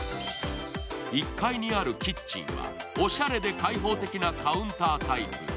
１階にあるキッチンはおしゃれで開放的なカウンタータイプ。